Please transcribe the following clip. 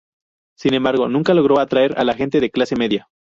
Sin embargo, nunca logró atraer a la gente de clase media.